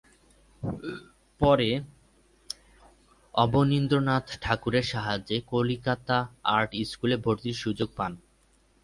পরে অবনীন্দ্রনাথ ঠাকুরের সাহায্যে কলিকাতা আর্ট স্কুলে ভর্তির সুযোগ পান।